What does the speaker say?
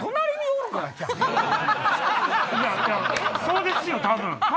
そうですよ多分！